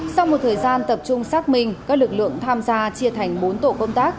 sau một thời gian tập trung xác minh các lực lượng tham gia chia thành bốn tổ công tác